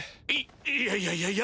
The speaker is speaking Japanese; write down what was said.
いいやいやいやいや！